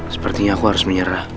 sepertinya aku harus menyerah